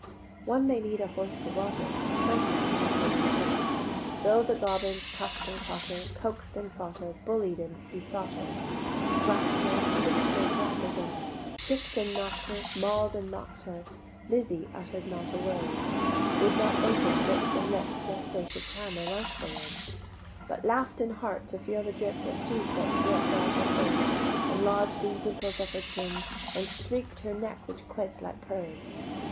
One may lead a horse to water, Twenty cannot make him drink. Though the goblins cuff'd and caught her, Coax'd and fought her, Bullied and besought her, Scratch'd her, pinch'd her black as ink, Kick'd and knock'd her, Maul'd and mock'd her, Lizzie utter'd not a word; Would not open lip from lip Lest they should cram a mouthful in: But laugh'd in heart to feel the drip Of juice that syrupp'd all her face, And lodg'd in dimples of her chin, And streak'd her neck which quaked like curd.